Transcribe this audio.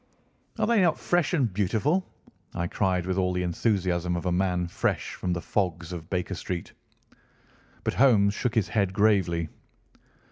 "Are they not fresh and beautiful?" I cried with all the enthusiasm of a man fresh from the fogs of Baker Street. But Holmes shook his head gravely.